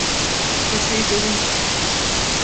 Köşeyi dönünce.